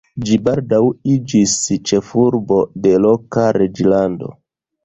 Ĝi baldaŭ iĝis ĉefurbo de loka reĝlando.